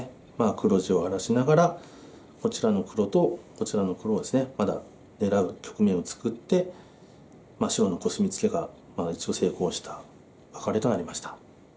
黒地を荒らしながらこちらの黒とこちらの黒をですねまだ狙う局面を作って白のコスミツケが一応成功したワカレとなりました。